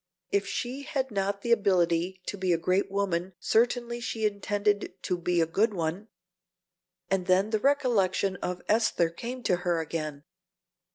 If she had not the ability to be a great woman certainly she intended to be a good one. And then the recollection of Esther came to her again.